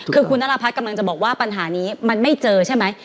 คือคุณนรพัฒน์กำลังจะบอกว่าปัญหานี้มันไม่เจอใช่ไหม